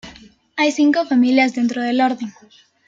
Hay cinco familias dentro del orden.